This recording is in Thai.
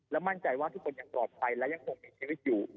มั่นใจว่าทุกคนยังปลอดภัยและยังคงมีชีวิตอยู่